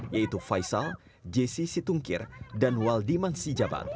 yaitu faisal jessi situngkir dan waldiman sijabat